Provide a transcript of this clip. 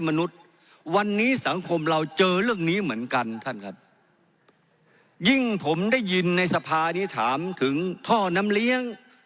มนุษย์วันนี้สังคมเราเจอเรื่องนี้เหมือนกันท่านครับยิ่งผมได้ยินในสภานี้ถามถึงท่อน้ำเลี้ยง